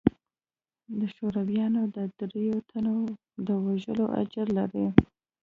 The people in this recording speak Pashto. د شورويانو د درېو تنو د وژلو اجر لري.